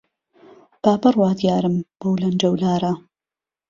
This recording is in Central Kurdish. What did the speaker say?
با بڕوات یارم بهو لهنجه و لاره